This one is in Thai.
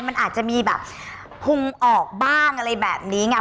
มันอาจจะมีแบบพุงออกบ้างอะไรแบบนี้ไง